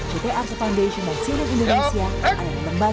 ctr the foundation of senior indonesia adalah lembaga berbicara